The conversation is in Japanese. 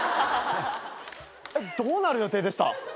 どうなる予定でした？